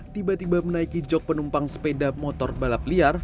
tiba tiba menaiki jog penumpang sepeda motor balap liar